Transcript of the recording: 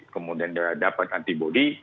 kemudian dia dapat antibody